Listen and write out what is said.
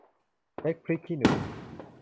เล็กพริกขี้หนู